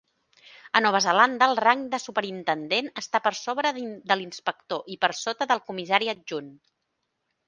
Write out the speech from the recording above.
A Nova Zelanda, el rang de superintendent està per sobre de l'inspector i per sota del comissari adjunt.